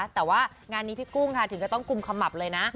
แต่ว่างานนี้พี่กุ้งค่ะถึงก็ต้องกุมขมับเลยนะ